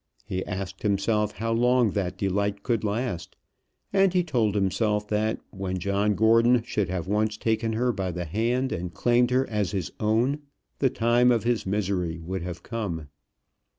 He asked himself how long that delight could last; and he told himself that when John Gordon should have once taken her by the hand and claimed her as his own, the time of his misery would have come.